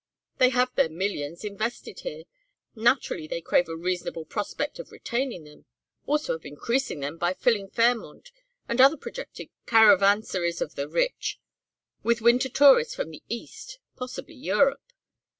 They have their millions invested here, naturally they crave a reasonable prospect of retaining them also of increasing them by filling Fairmont, and other projected caravansaries for the rich, with winter tourists from the East; possibly Europe.